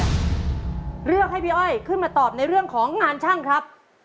เลือกให้พี่อ้อยขึ้นมาตอบในเรื่องของงานช่างครับ